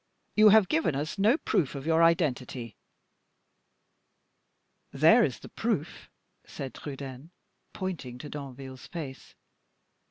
You have given us no proof of your identity." "There is the proof," said Trudaine, pointing to Danville's face.